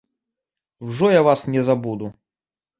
Ужо я вас не забуду!